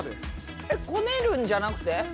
こねるんじゃなくて？